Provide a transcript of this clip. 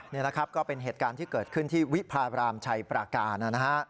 นี่นะครับก็เป็นเหตุการณ์ที่เกิดขึ้นที่วิพารามชัยปราการนะฮะ